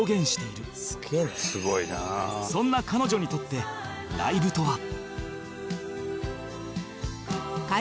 そんな彼女にとってライブとは？